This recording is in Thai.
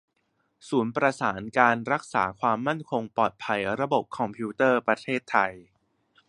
ศูนย์ประสานการรักษาความมั่นคงปลอดภัยระบบคอมพิวเตอร์ประเทศไทย